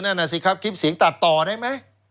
นั่นน่ะสิครับคลิปเสียงตัดต่อได้ไหม